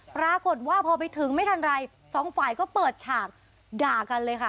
ปรากฏว่าพอไปถึงไม่ทันไรสองฝ่ายก็เปิดฉากด่ากันเลยค่ะ